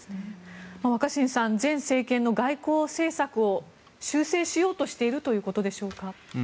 若新さん前政権の外交政策を修正しようとしているということでしょうか。